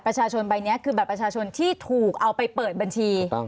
บัตรประชาชนใบนี้คือบัตรประชาชนที่ถูกเอาไปเปิดบัญชี